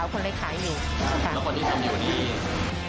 แล้วคนที่ทำดีกว่านี้